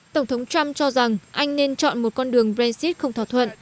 tổng thống trump cho rằng anh nên chọn một con đường brexit không thỏa thuận